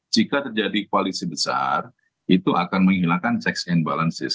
jika terjadi koalisi besar itu akan menghilangkan checks and balances